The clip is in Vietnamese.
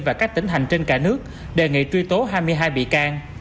và các tỉnh hành trên cả nước đề nghị truy tố hai mươi hai bị can